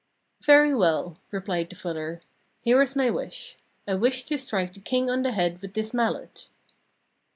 'Very well,' replied the fuller, 'here is my wish: I wish to strike the king on the head with this mallet.'